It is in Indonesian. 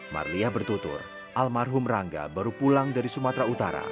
marliah bertutur almarhum rangga baru pulang dari sumatera utara